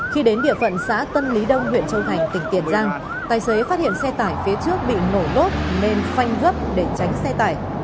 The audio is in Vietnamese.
khi đến địa phận xã tân lý đông huyện châu thành tỉnh tiền giang tài xế phát hiện xe tải phía trước bị nổ lốp nên phanh gấp để tránh xe tải